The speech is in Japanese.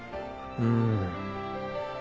うん。